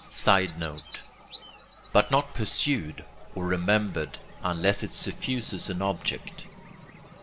[Sidenote: but not pursued or remembered unless it suffuses an object.